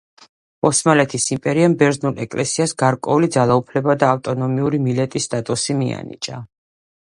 ოსმალეთის იმპერიამ ბერძნულ ეკლესიას გარკვეული ძალაუფლება და ავტონომიური მილეტის სტატუსი მიანიჭა.